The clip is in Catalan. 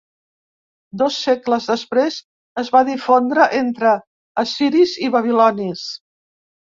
Dos segles després es va difondre entre assiris i babilonis.